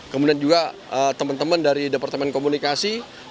kemudian juga teman teman dari departemen komunikasi